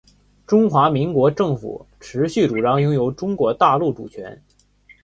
中华民国政府持续主张拥有中国大陆主权